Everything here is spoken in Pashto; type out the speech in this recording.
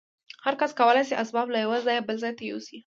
هر کس کولای شي اسباب له یوه ځای بل ته یوسي